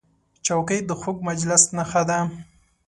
چوکۍ د خوږ مجلس نښه ده.